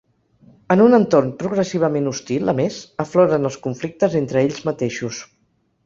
En un entorn progressivament hostil, a més, afloren els conflictes entre ells mateixos.